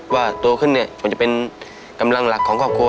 ว่าโตขึ้นเนี่ยมันจะเป็นกำลังหลักของครอบครัว